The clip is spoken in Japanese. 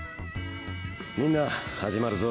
みんな始まるぞ。